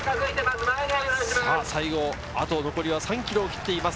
最後は残り３ｋｍを切っています。